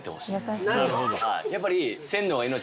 やっぱり。